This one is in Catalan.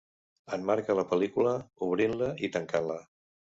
Emmarca la pel·lícula, obrint-la i tancant-la.